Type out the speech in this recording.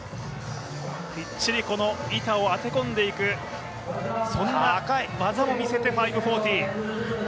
きっちり板を当て込んでいく、そんな技も見せて５４０。